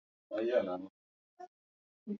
Mkono mmoja ameinuliwa.